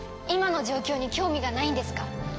今の状況に興味がないんですか？